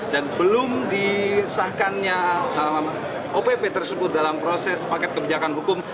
dan belum disahkannya opp tersebut dalam proses paket kebijakan hukum